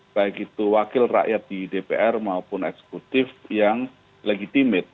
baik itu wakil rakyat di dpr maupun eksekutif yang legitimit